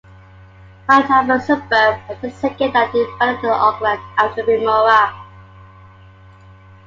Mount Albert suburb was the second that developed in Auckland, after Remuera.